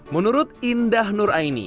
menurut indah nuraini